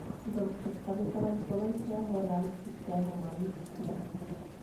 Byl představitelem slovenského realistického malířství.